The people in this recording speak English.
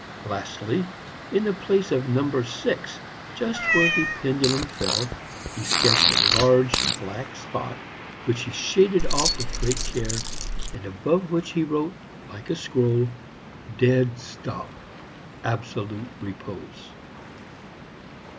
Lastly, in the place of No. VI, just where the pendulum fell, he sketched a large black spot, which he shaded off with great care, and above which he wrote, like a scroll, Dead Stop, Absolute Repose.